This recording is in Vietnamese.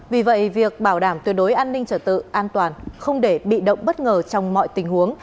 vì vậy việc bảo đảm tuyệt đối an ninh trở tự an toàn không để bị động bất ngờ trong mọi tình huống